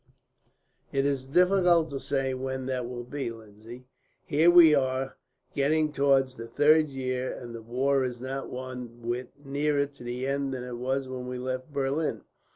"It is difficult to say when that will be, Lindsay. Here we are, getting towards the third year, and the war is not one whit nearer to the end than it was when we left Berlin.